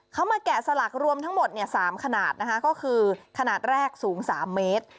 เขามาแกะสลักรวมทั้งหมด๓ขนาดนะคะก็คือขนาดแรกสูง๓เมตร